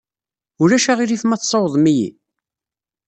Ulac aɣilif ma tessawḍem-iyi?